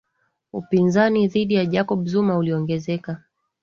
upinzani dhidi ya jacob zuma uliongezeka